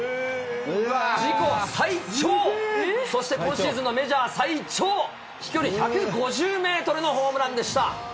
自己最長、そして今シーズンのメジャー最長、飛距離１５０メートルのホームランでした。